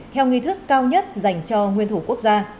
theo nghi thức cao nhất dành cho nguyên thủ quốc gia